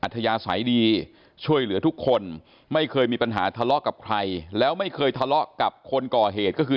ทุกคนไม่เคยมีปัญหาทะเลาะกับใครแล้วไม่เคยทะเลาะกับคนก่อเหตุก็คือ